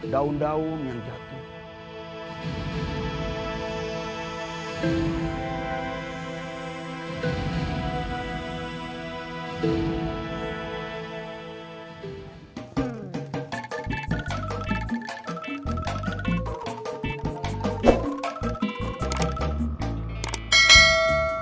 daun daun yang jatuh